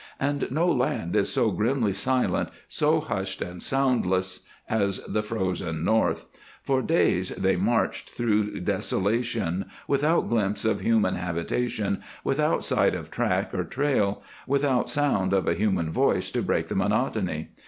And no land is so grimly silent, so hushed and soundless, as the frozen North. For days they marched through desolation, without glimpse of human habitation, without sight of track or trail, without sound of a human voice to break the monotony.